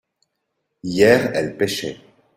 hier elles pêchaient.